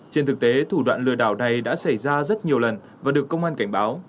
trên thực tế thủ đoạn lừa đảo này đã xảy ra rất nhiều lần và được công an cảnh báo